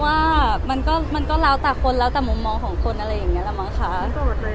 โอ้โหเขาก็ไม่รู้เนอะเพราะว่ามันก็ล้าวตากลมูลของคนอะไรแบบนี้แล้วมั้งคะเกิดเหรอ